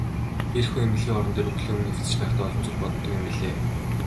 Эх хүн эмнэлгийн орон дээр үхлийн өмнө хэвтэж байхдаа олон зүйл боддог юм билээ.